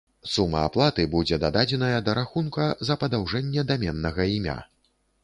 Сума аплаты будзе дададзеная да рахунка за падаўжэнне даменнага імя.